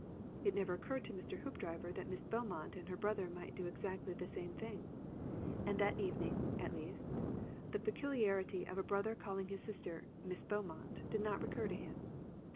It never occurred to Mr. Hoopdriver that Miss Beaumont and her brother might do exactly the same thing, and that evening, at least, the peculiarity of a brother calling his sister "Miss Beaumont" did not recur to him.